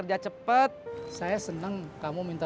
mudah mudahan semangkang lou